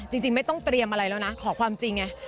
จริงไม่ต้องเตรียมอะไรแล้วนะขอความจริงไง